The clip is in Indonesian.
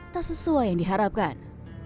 tak sesuai yang diharapkan